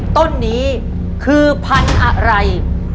ต้นนี้คือพันธุ์อะไร